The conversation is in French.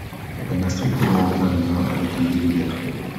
Elle n’a strictement aucun lien avec l’idée de guerre.